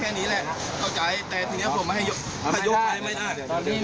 อันนี้คือความโปรดของพวกพี่คายไปด้วย